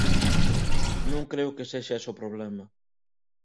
Non creo que sexa ese o problema.